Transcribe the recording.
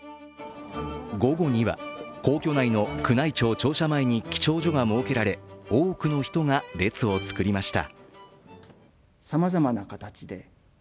午後には皇居内の宮内庁・庁舎前に記帳所が設けられ多くの人が列を作りました。